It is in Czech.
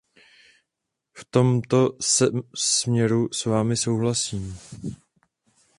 V tomto směru s vámi souhlasím.